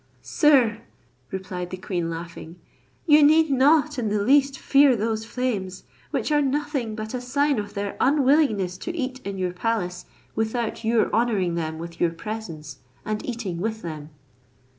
"Sir," replied the queen laughing, "you need not in the least fear those flames, which are nothing but a sign of their unwillingness to eat in your palace, without your honouring them with your presence, and eating with them."